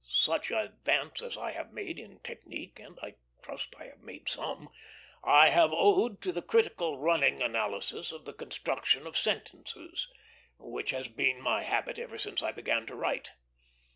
Such advance as I have made in technique and I trust I have made some I have owed to the critical running analysis of the construction of sentences, which has been my habit ever since I began to write.